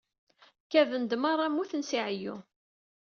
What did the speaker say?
Kaden-d merra mmuten si ɛeyyu.